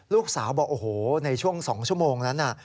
ลูกสาวบอกโอ้โหในช่วง๒ชั่วโมงนั้นน่ะ